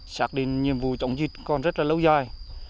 xác định nhiệm vụ chống dịch còn rất là lâu dài